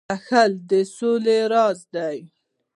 • بخښل د سولي راز دی.